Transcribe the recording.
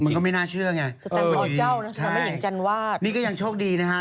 มีคนก็ไม่น่าเชื่อไงเป็นวีดีใช่นี่ก็ยังโชคดีนะฮะ